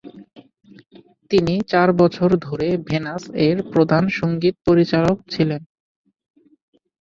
তিনি চার বছর ধরে 'ভেনাস'-এর প্রধান সঙ্গীত পরিচালক ছিলেন।